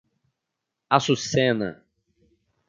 Açucena